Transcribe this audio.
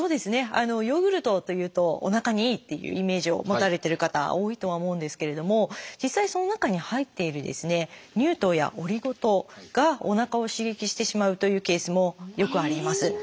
ヨーグルトというとおなかにいいっていうイメージを持たれてる方多いとは思うんですけれども実際その中に入っている乳糖やオリゴ糖がおなかを刺激してしまうというケースもよくあります。